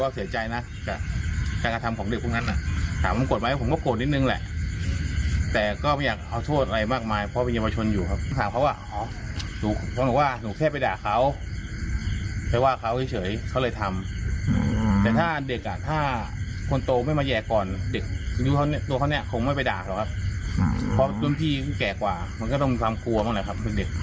เพราะว่ารุ่นพี่ก็แก่กว่ามันก็ต้องมีความกลัวบ้างแหละครับ